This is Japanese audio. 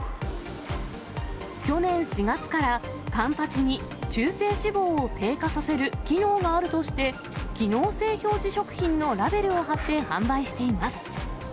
去年４月から、カンパチに中性脂肪を低下させる機能があるとして、機能性表示食品のラベルを貼って販売しています。